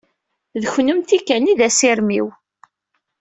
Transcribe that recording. D kennemti kan i d asirem-iw.